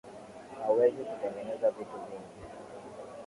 Hauwezi kutengeneza vitu vingi